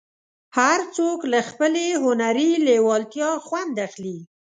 هر څوک له خپلې هنري لېوالتیا خوند اخلي.